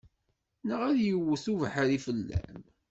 Neɣ ad yewwet ubeḥri fell-am.